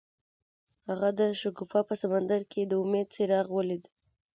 هغه د شګوفه په سمندر کې د امید څراغ ولید.